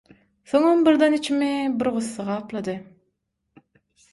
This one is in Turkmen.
Soñam birden içimi bir gussa gaplady.